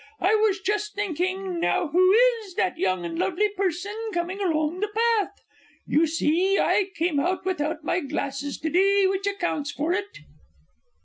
I was just thinking "Now who is that young and lovely person coming along the path?" You see I came out without my glasses to day, which accounts for it!